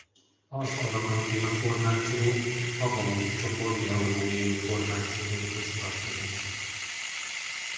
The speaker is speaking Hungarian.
Az Adamantina-formáció a Bauru-csoport geológiai formációihoz tartozik.